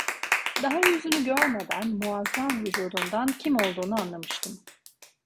Daha yüzünü görmeden, muazzam vücudundan, kim olduğunu anlamıştım.